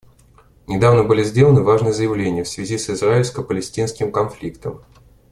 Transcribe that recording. Недавно были сделаны важные заявления в связи с израильско-палестинским конфликтом.